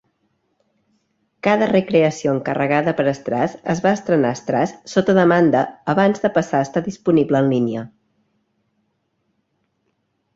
Cada recreació encarregada per Starz es va estrenar a Starz sota demanda abans de passar a estar disponible en línia.